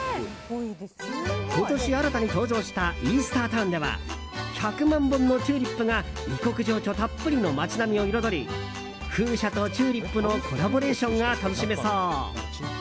今年新たに登場したイースタータウンでは１００万本のチューリップが異国情緒たっぷりの街並みを彩り風車とチューリップのコラボレーションが楽しめそう。